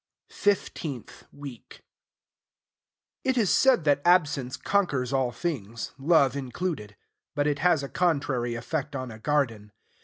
FIFTEENTH WEEK It is said that absence conquers all things, love included; but it has a contrary effect on a garden.